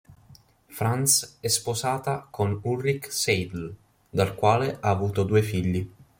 Franz è sposata con Ulrich Seidl, dal quale ha avuto due figli.